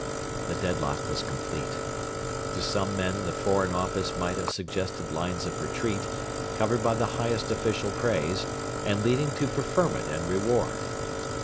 The deadlock was complete. To some men the Foreign Office might have suggested lines of retreat, covered by the highest official praise, and leading to preferment and reward.